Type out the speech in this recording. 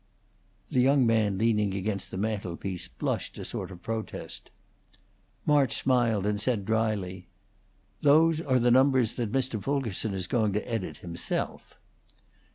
The young man leaning against the mantelpiece blushed a sort of protest. March smiled and said, dryly, "Those are the numbers that Mr. Fulkerson is going to edit himself."